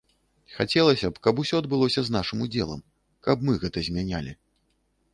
Хацелася б, каб усё адбылося з нашым удзелам, каб мы гэта змянялі.